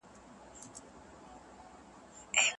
يوسف عليه السلام خپلو بيرحمو وروڼو په څو پيسو خرڅ کړ.